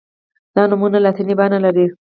دا نومونه لاتیني بڼه لري.